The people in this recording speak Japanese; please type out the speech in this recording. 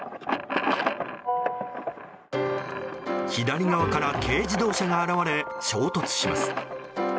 左側から軽自動車が現れ衝突します。